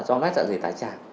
do nát dạ dày thái tràn